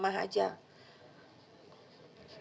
sudah biarin itu kasih mama aja